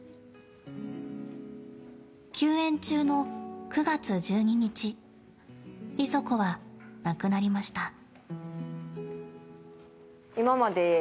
休園中の９月１２日イソコは亡くなりました。